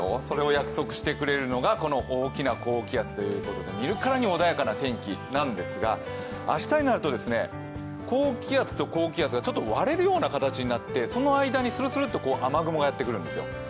それを約束してくれるのが大きな高気圧ということで見るからに穏やかな天気なんですが明日になると、高気圧と高気圧がちょっと割れるような形になってその間にするするっと雨雲がやってくるんですよ。